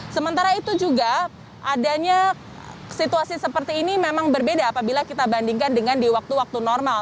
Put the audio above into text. sementara itu juga adanya situasi seperti ini memang berbeda apabila kita bandingkan dengan di waktu waktu normal